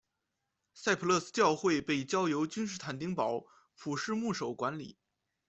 赛普勒斯教会被交由君士坦丁堡普世牧首管理。